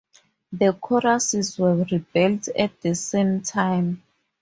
The Choirs were rebuilt at the same time.